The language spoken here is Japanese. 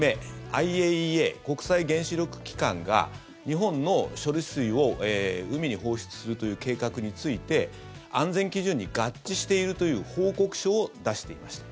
ＩＡＥＡ・国際原子力機関が日本の処理水を海に放出するという計画について安全基準に合致しているという報告書を出していました。